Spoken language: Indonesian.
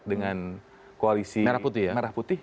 dengan koalisi merah putih